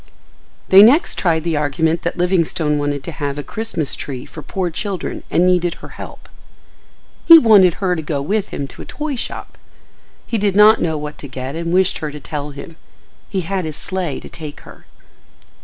They next tried the argument that Livingstone wanted to have a Christmas tree for poor children and needed her help. He wanted her to go with him to a toy shop. He did not know what to get and wished her to tell him. He had his sleigh to take her.